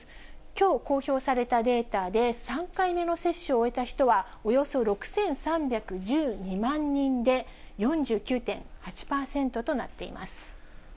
きょう公表されたデータで３回目の接種を終えた人は、およそ６３１２万人で、４９．８％となっています。